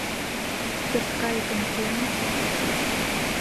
Пӧрткайыкым кӧ онча?..» —